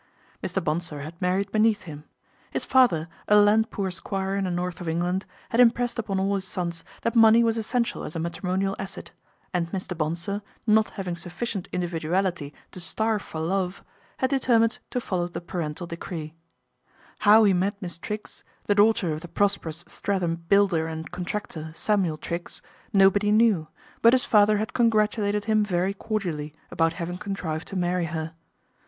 Mr. Bonsor had married beneath him. His father, a land poor squire in the north of England, had impressed upon all his sons that money was essential as a matrimonial asset, and Mr. Bonsor, not having sufficient individuality to starve for love, had determined to follow the parental decree. THE BONSOR TRIGGS' MENAGE 21 How he met Miss Triggs, the daughter of the prosperous Streatham builder and contractor, Samuel Triggs, nobody knew, but his father had congratulated him very cordially about having contrived to marry her.